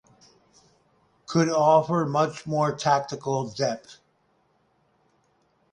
Could offer much more tactical depth.